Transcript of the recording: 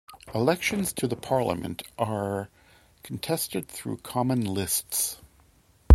Elections to the Parliament are contested through common lists.